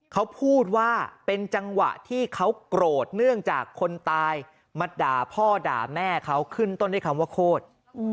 เขาพูดว่าเป็นจังหวะที่เขาโกรธเนื่องจากคนตายมาด่าพ่อด่าแม่เขาขึ้นต้นด้วยคำว่าโคตร